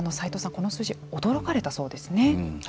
この数字、驚かれたそうですね。